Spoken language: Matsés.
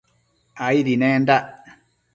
Aidi nendac